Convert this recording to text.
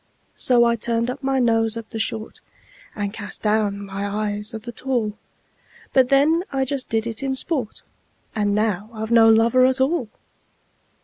So I turned up my nose at the short, And cast down my eyes at the tall; But then I just did it in sport And now I've no lover at all!